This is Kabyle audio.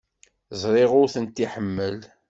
Ẓriɣ ur ten-iḥemmel.